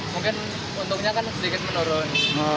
mungkin untungnya kan sedikit menurun